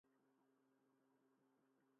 Vull modificar dades compte si us plau.